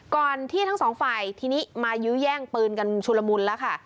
ก่อนที่ทั้งสองฝ่ายทีนี้มายื้อแย่งปืนกันชุลมุนแล้วค่ะ